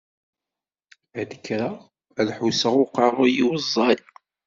Ad d-kkreɣ ad ḥusseɣ i uqerruy-iw ẓẓay.